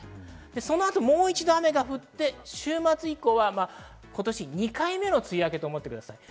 その後、もう一度雨が降って、週末以降は今年２回目の梅雨明けと思ってください。